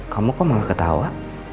kamu kok malah ketawa